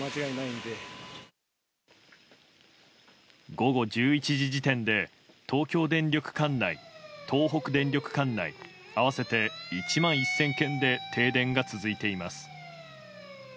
午後１１時時点で東京電力管内、東北電力管内合わせて１万１０００軒で停電が続いています。